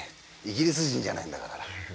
イギリス人じゃないんだから。